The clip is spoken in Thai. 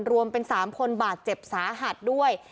รวมเป็น๓คนบาดเจ็บสาหัสด้วย